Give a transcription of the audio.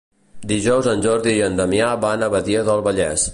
Dijous en Jordi i en Damià van a Badia del Vallès.